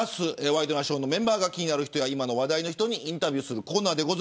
ワイドナショーのメンバーが気になる人や今話題の人にインタビューするコーナーです。